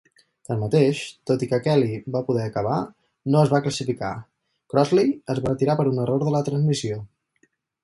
Tanmateix, tot i que Kelly va poder acabar, no es va classificar; Crossley es va retirar per un error de la transmissió.